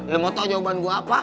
lo mau tau jawaban gue apa